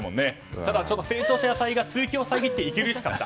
ただ成長した野菜が通気を遮って息苦しかった。